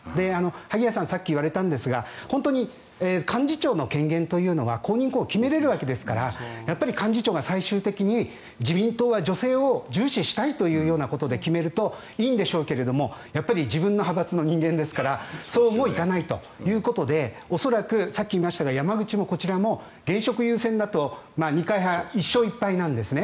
萩谷さんがさっき言われたんですが本当に幹事長の権限というのが公認を決められるわけですからやっぱり幹事長が最終的に自民党は女性を重視したいということで決めるといいんでしょうけど、やっぱり自分の派閥の人間ですからそうもいかないということで恐らく、さっき言いましたが山口もこちらも現職優先だと二階派、１勝１敗なんですね。